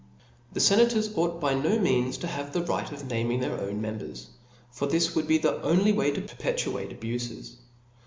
The fenators ought by ho means to ha^^e a right of naming thtir t>wn members ; for this would Be the only way to perpetuate abufes.